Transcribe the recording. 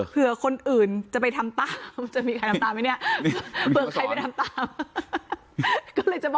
เพื่อคนอื่นจะไปทำตามเผื่อใครไปตาม